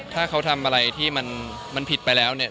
ถ้าเขาทำอะไรที่มันผิดไปแล้วเนี่ย